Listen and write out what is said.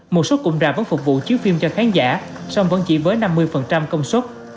một số cụm rạp vẫn phục vụ chiếu phim cho khán giả song vẫn chỉ với năm mươi công suất